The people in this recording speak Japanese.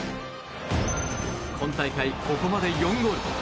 今大会、ここまで４ゴール。